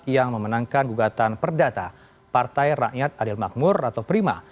yang memenangkan gugatan perdata partai rakyat adil makmur atau prima